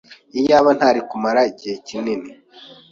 Iyaba ntari kumara igihe kinini!